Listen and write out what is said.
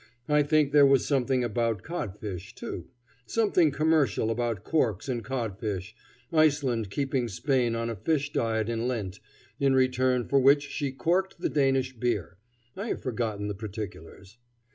I think there was something about codfish, too, something commercial about corks and codfish Iceland keeping Spain on a fish diet in Lent, in return for which she corked the Danish beer I have forgotten the particulars.